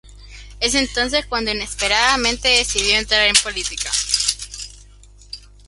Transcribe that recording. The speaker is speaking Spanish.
Es entonces cuando inesperadamente decidió entrar en política.